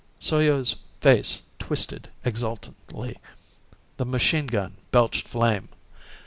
Soyo's face twisted exultantly. The machine gun belched flame.